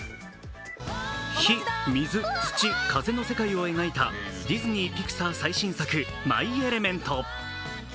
火・水・土・風の世界を描いたディズニー・ピクサー最新作「マイ・エレメント」。